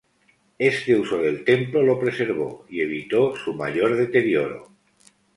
Este uso del templo lo preservó, y evitó su mayor deterioro.